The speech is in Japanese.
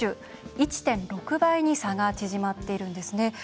１．６倍に差が縮まっているんですね。